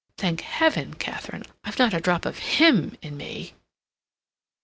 Thank Heaven, Katharine, I've not a drop of him in me!"